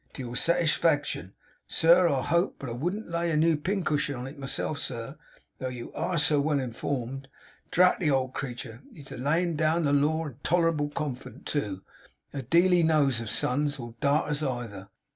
To your satigefaction, sir, I hope. But I wouldn't lay a new pincushion on it myself, sir, though you ARE so well informed. Drat the old creetur, he's a layin' down the law tolerable confident, too! A deal he knows of sons! or darters either!